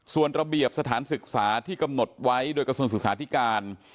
ส่วนระเบียบสถานศึกษาที่กำหนดไว้โดยกระทรวงศึกษาธิการ